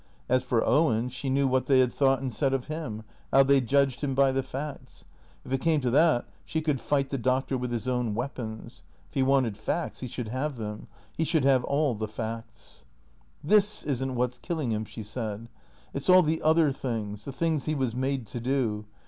As for Owen, she knew what they had thought and said of him, how they judged him by the facts. If it came to that she could fight the Doctor with his own weapons. If he wanted facts he should have them; he should have all the facts. " This is n't what 's killing him," she said. " It 's all the other things, the things he was made to do.